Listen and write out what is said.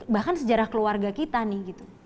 bahkan sejarah keluarga kita nih gitu